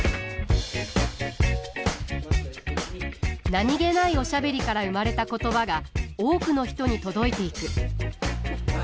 何気ないおしゃべりから生まれた言葉が多くの人に届いていく。